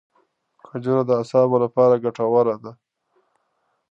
کجورې د اعصابو لپاره ګټورې دي.